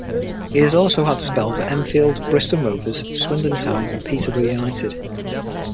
He has also had spells at Enfield, Bristol Rovers, Swindon Town and Peterborough United.